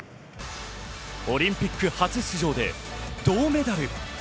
オリンピック初出場で銅メダル。